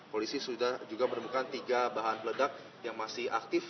polisi sudah juga menemukan tiga bahan peledak yang masih aktif